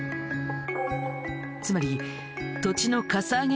つまり土地のかさ上げ